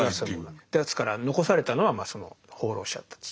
ですから残されたのはその放浪者たち。